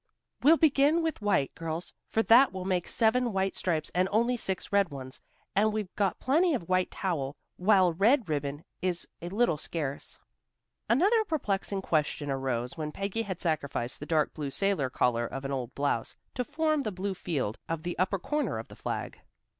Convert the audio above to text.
"We'll begin with white, girls, for that will make seven white stripes and only six red ones. And we've got plenty of white towel, while red ribbon is a little scarce." Another perplexing question arose when Peggy had sacrificed the dark blue sailor collar of an old blouse, to form the blue field in the upper corner of the flag.